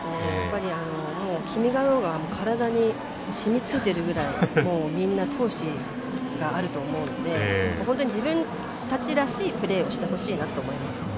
「君が代」が体にしみついてるぐらいみんな、闘志があると思うので本当に自分たちらしいプレーをしてほしいなって思います。